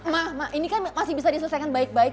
ma ma ini kan masih bisa diselesaikan baik baik